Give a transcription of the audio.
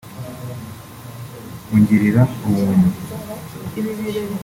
‘Ungirira ubuntu’